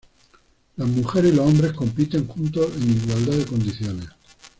Las mujeres y los hombres compiten juntos en igualdad de condiciones.